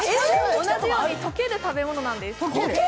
同じように溶ける食べ物なんです。